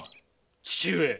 父上。